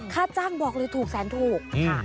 ค่าจ้างบอกเลยถูกแสนถูกค่ะ